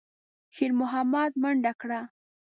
شېرمحمد منډه کړه.